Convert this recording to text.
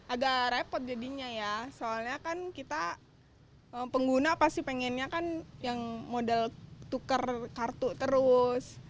agak repot jadinya ya soalnya kan kita pengguna pasti pengennya kan yang modal tukar kartu terus